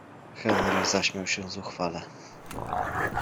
Henry zaśmiał się zuchwale.